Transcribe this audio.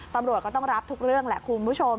ตำรวจก็ต้องรับทุกเรื่องแหละคุณผู้ชม